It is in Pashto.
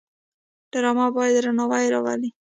ډرامه باید درناوی راولي